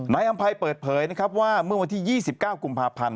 นายอำภัยเปิดเผยนะครับว่าเมื่อวันที่๒๙กุมภาพันธ์